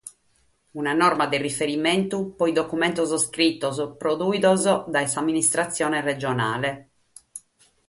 Una norma de riferimentu pro is documentos iscritos produidos dae s'amministratzione regionale.